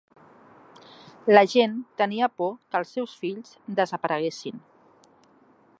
La gent tenia por que els seus fills desapareguessin.